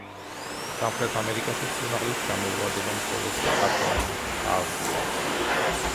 სამხრეთ ამერიკაში სიმაღლით ჩამოუვარდება მხოლოდ აკონკაგუას.